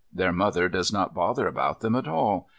Their mother does not bother about them at all.